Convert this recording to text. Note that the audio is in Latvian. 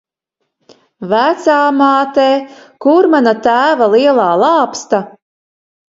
Vecāmāte, kur mana tēva lielā lāpsta?